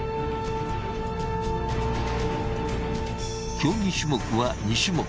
競技種目は２種目。